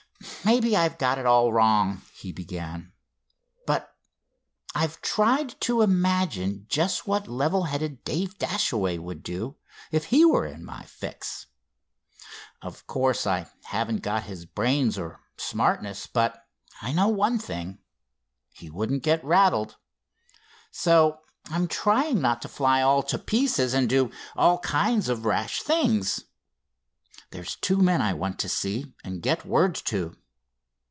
"Maybe I've got it all wrong," he began, "but I've tried to imagine just what level headed Dave Dashaway would do if he were in my fix. Of course I haven't got his brains or smartness, but I know one thing—he wouldn't get rattled. So I'm trying not to fly all to pieces and do all kinds of rash things. There's two men I want to see and get word to."